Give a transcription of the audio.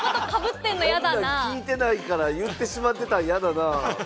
こんなん聞いてないから、言ってしまってたん、やだなー。